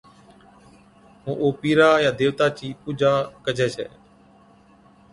ائُون او پِيرا يا ديوتا چِي پُوڄا ڪَجِي ڇَي